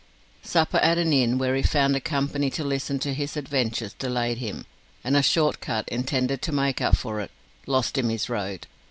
Supper at an inn, where he found a company to listen to his adventures, delayed him, and a short cut, intended to make up for it, lost him his road.